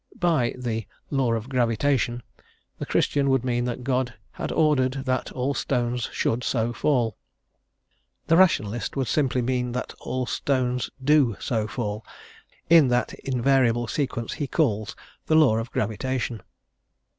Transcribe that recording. By the "law of gravitation" the Christian would mean that God had ordered that all stones should so fall. The Rationalist would simply mean that all stones do so fall, and that invariable sequence he calls the "law of gravitation."